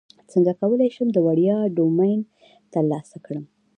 څنګه کولی شم د وړیا ډومین ترلاسه کړم